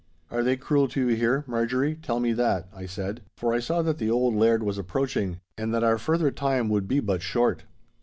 'Are they cruel to you here, Marjorie, tell me that?' I said, for I saw that the old Laird was approaching, and that our further time would be but short.